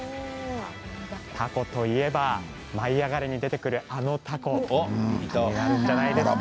たこといえば「舞いあがれ！」に出てくるあの、たこ気になるんじゃないですか？